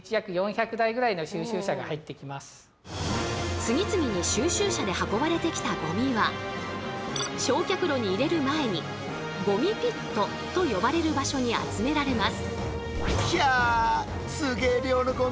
次々に収集車で運ばれてきたゴミは焼却炉に入れる前にゴミピットと呼ばれる場所に集められます。